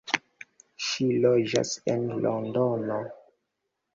Ŝi loĝas en Londono.